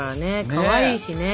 かわいいしね。